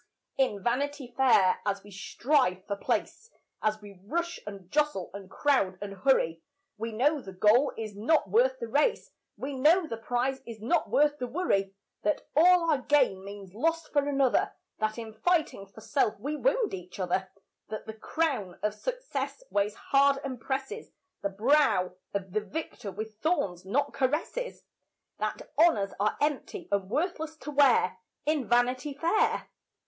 In Vanity Fair, as we strive for place, As we rush and jostle and crowd and hurry, We know the goal is not worth the race We know the prize is not worth the worry; That all our gain means loss for another; That in fighting for self we wound each other; That the crown of success weighs hard and presses The brow of the victor with thorns not caresses; That honours are empty and worthless to wear, In Vanity Fair.